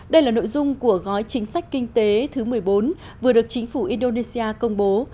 đây là nội dung của gói chính sách kinh tế thứ một mươi bốn vừa được chính phủ indonesia công bố